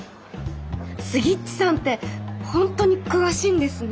スギッチさんって本当に詳しいんですね。